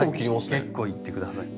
はい結構いって下さい。